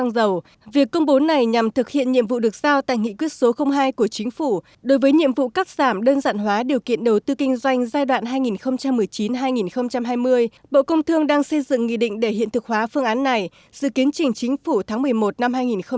đầu tư kinh doanh giai đoạn hai nghìn một mươi chín hai nghìn hai mươi bộ công thương đang xây dựng nghị định để hiện thực hóa phương án này dự kiến chỉnh chính phủ tháng một mươi một năm hai nghìn một mươi chín